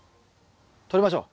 とりましょう。